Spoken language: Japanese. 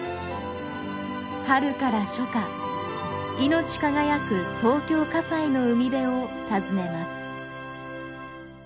春から初夏命輝く東京西の海辺を訪ねます。